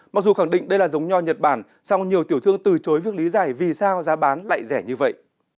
mặc dù khẳng định đây là giống nho nhật bản song nhiều tiểu thương từ chối việc lý giải vì sao giá bán lại rẻ như vậy